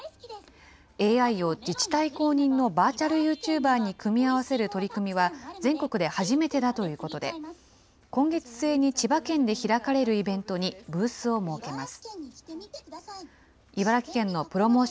ＡＩを自治体公認のバーチャルユーチューバーに組み合わせる取り組みは、全国で初めてだということで、今月末に千葉県で開かれるイベントにブースを設けます。